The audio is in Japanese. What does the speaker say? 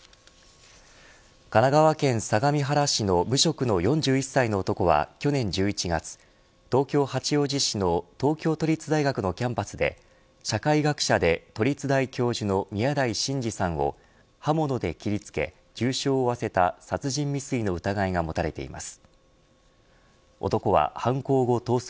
神奈川県相模原市の無職の４１歳の男は去年１１月、東京、八王子市の東京都立大学のキャンパスで社会学者で都立大教授の宮台真司さんを刃物で切りつけ重傷を負わせた殺人未遂の疑いが持たれています。